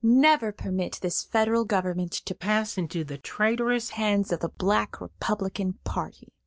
Never permit this federal government to pass into the traitorous hands of the black Republican party.